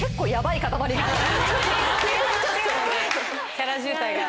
キャラ渋滞が。